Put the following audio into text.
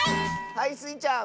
はいスイちゃん！